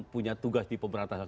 punya tugas di pemberantasan